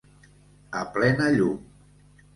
A plena llum.